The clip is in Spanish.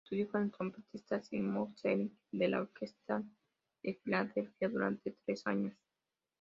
Estudió con el trompetista Sigmund Hering de la Orquesta de Filadelfia durante tres años.